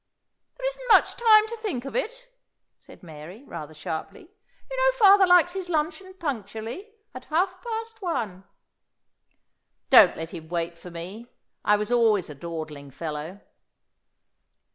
"There isn't much time to think of it," said Mary, rather sharply. "You know father likes his luncheon punctually at half past one." "Don't let him wait for me. I was always a dawdling fellow."